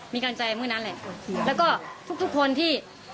มีกำลังใจเมื่อนั้นแหละแล้วก็ทุกคนที่